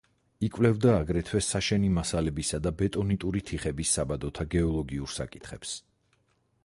იკვლევდა აგრეთვე საშენი მასალებისა და ბენტონიტური თიხების საბადოთა გეოლოგიურ საკითხებს.